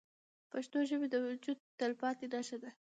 پښتو زموږ د وجود تلپاتې نښه ده.